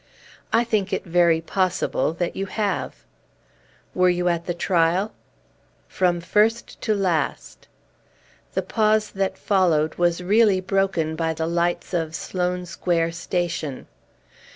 "I think it very possible that you have." "Were you at the trial?" "From first to last!" The pause that followed was really broken by the lights of Sloane Square station.